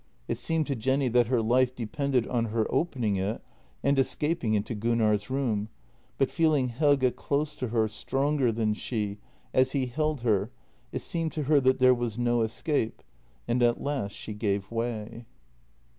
It seemed to Jenny that her life depended on her opening it and escaping into Gunnar's room, but feeling Helge close to her, stronger than she, as he held her, it seemed to her that there was no escape — and at last she gave way.